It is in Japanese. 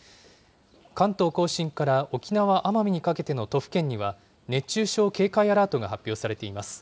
関東甲信から沖縄・奄美にかけての都府県には、熱中症警戒アラートが発表されています。